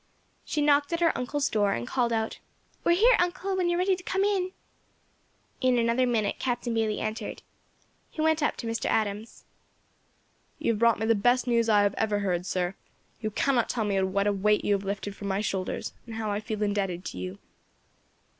She knocked at her uncle's door, and called out, "We are here, uncle, when you are ready to come in." In another minute Captain Bayley entered. He went up to Mr. Adams. [Illustration: MEETING OF CAPTAIN BAYLEY AND MR. ADAMS.] "You have brought me the best news I have ever heard, sir; you cannot tell what a weight you have lifted from my shoulders, and how I feel indebted to you."